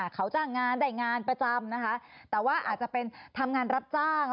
เขาจ้างงานได้งานประจำนะคะแต่ว่าอาจจะเป็นทำงานรับจ้าง